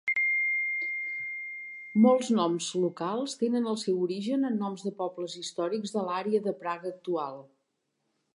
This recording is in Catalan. Molts noms locals tenen el seu origen en noms de pobles històrics de l'àrea de Praga actual.